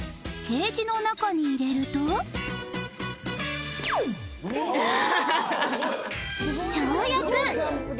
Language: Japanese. ケージの中に入れると跳躍！